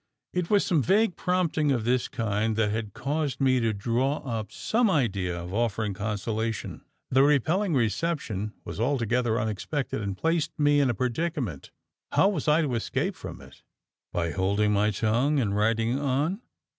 It was some vague prompting of this kind, that had caused me to draw up some idea of offering consolation. The repelling reception was altogether unexpected, and placed me in a predicament. How was I to escape from it? By holding my tongue, and riding on?